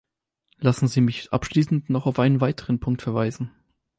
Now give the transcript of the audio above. Lassen Sie mich abschließend noch auf einen weiteren Punkt verweisen.